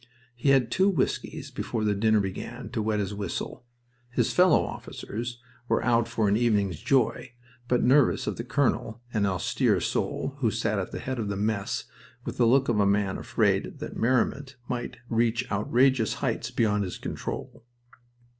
He had two whiskies before the dinner began to wet his whistle. His fellow officers were out for an evening's joy, but nervous of the colonel, an austere soul who sat at the head of the mess with the look of a man afraid that merriment might reach outrageous heights beyond his control.